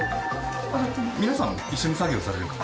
皆さん一緒に作業される方？